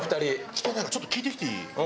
来てないかちょっと聞いてきていい？